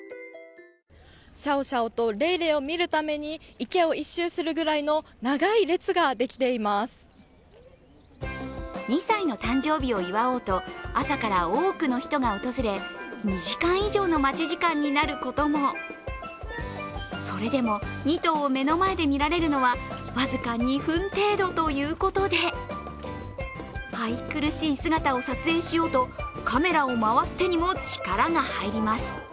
シャオシャオとレイレイを見るために池を１周するぐらいの２時間以上の待ち時間になることもそれでも２頭を目の前で見られるのは僅か２分程度ということで、愛くるしい姿を撮影しようとカメラを回す手にも力が入ります。